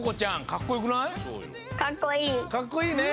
かっこいいよね。